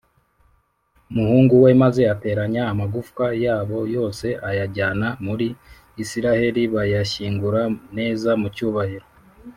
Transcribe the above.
umuhungu we maze ateranya amagufwa yabo yose ayajyana muri isiraheli bayashyingura neza mu cyubahiro